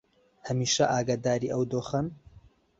هەمیشە ئاگاداری ئەو دۆخەن